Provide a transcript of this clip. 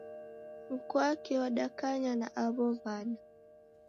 Mkwake wadakanya na aw'o w'ana